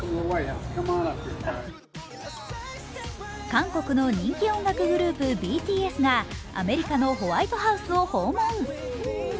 韓国の人気音楽グループ、ＢＴＳがアメリカのホワイトハウスを訪問。